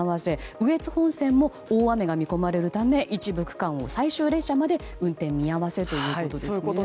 羽越本線も大雨が見込まれるため一部区間で最終列車まで運転見合わせということですね。